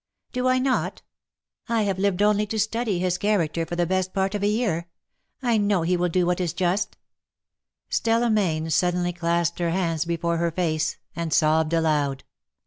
"Do I not? I have lived only to study his 296 character for the best part of a year. I know he •will do what is just/^ Stella Mayne suddenly clasped her hands before her face and sobbed aloud.